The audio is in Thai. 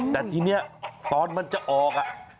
แต่ทีนี้ตอนมันจะออก